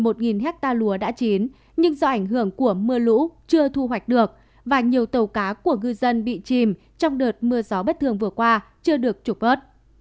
trên một hectare lúa đã chín nhưng do ảnh hưởng của mưa lũ chưa thu hoạch được và nhiều tàu cá của ngư dân bị chìm trong đợt mưa gió bất thường vừa qua chưa được trục vớt